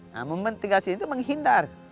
nah mitigasi itu menghindar